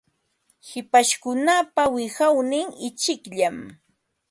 Hipashkunapa wiqawnin ichikllam.